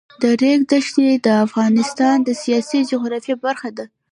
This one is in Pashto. د ریګ دښتې د افغانستان د سیاسي جغرافیه برخه ده.